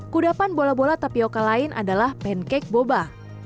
kudapan bola bola tapioca lain adalah pancake boba